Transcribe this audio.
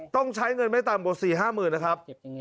ต้องใช้เงินไม่ต่ำกว่า๔๕๐๐๐นะครับ